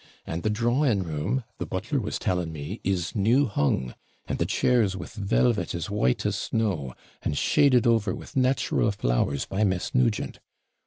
And the drawing room, the butler was telling me, is new hung; and the chairs with velvet as white as snow, and shaded over with natural flowers, by Miss Nugent.